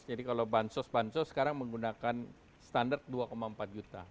jadi kalau bansos bansos sekarang menggunakan standar dua empat juta